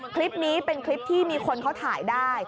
คลิปนี้เป็นคลิปที่มีคนเขาถ่ายได้